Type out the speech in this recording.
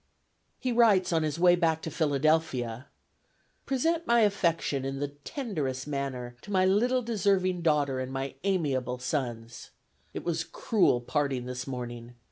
He writes on his way back to Philadelphia: "Present my affection in the tenderest manner to my little deserving daughter and my amiable sons. It was cruel parting this morning.